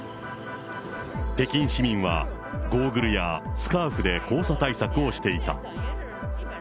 北京市民はゴーグルやスカーフで黄砂対策をしていた。